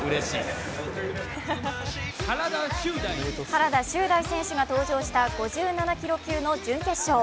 原田周大選手が登場した５７キロ級の準決勝。